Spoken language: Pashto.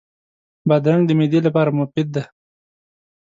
بادرنګ د معدې لپاره مفید دی.